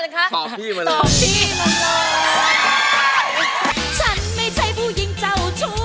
ฉันไม่ใช่ผู้หญิงเจ้าชู้